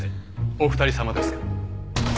お二人さまですか？